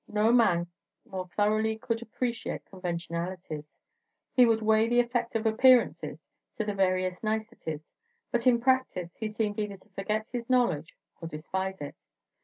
No man more thoroughly could appreciate conventionalities; he would weigh the effect of appearances to the veriest nicety; but in practice he seemed either to forget his knowledge or despise it.